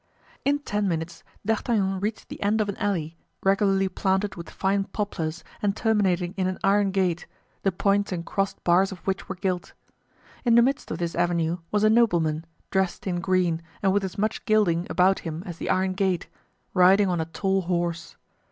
In ten minutes D'Artagnan reached the end of an alley regularly planted with fine poplars and terminating in an iron gate, the points and crossed bars of which were gilt. In the midst of this avenue was a nobleman, dressed in green and with as much gilding about him as the iron gate, riding on a tall horse.